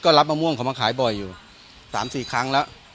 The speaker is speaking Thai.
รับมะม่วงเขามาขายบ่อยอยู่๓๔ครั้งแล้ว